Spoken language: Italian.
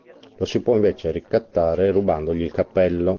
Lo si può invece ricattare rubandogli il cappello.